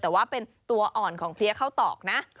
แต่ว่าเป็นตัวอ่อนของเพลียข้าวตอกนะ